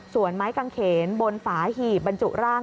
ส่วนไม้กางเขนบนฝาหีบบรรจุร่าง